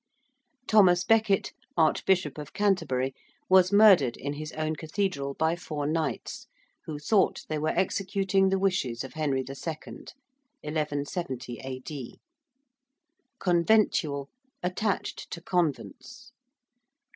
~Thomas Becket~, Archbishop of Canterbury, was murdered in his own cathedral by four knights, who thought they were executing the wishes of Henry II. (1170 A.D.). ~conventual~: attached to convents.